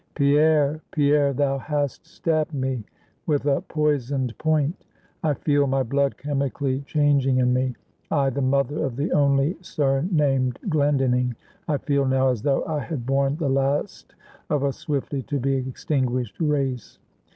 "Pierre, Pierre, thou hast stabbed me with a poisoned point. I feel my blood chemically changing in me. I, the mother of the only surnamed Glendinning, I feel now as though I had borne the last of a swiftly to be extinguished race.